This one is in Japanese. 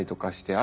あ。